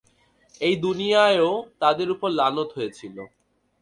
এই দুনিয়ায়ও তাদের উপর লানত হয়েছিল।